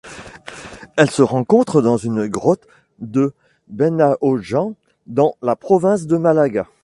Elle se rencontre dans une grotte de Benaoján dans la province de Malaga.